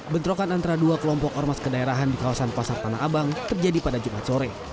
bentrokan antara dua kelompok ormas kedaerahan di kawasan pasar tanah abang terjadi pada jumat sore